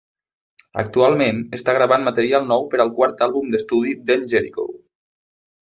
Actualment, està gravant material nou per al quart àlbum d'estudi Then Jerico.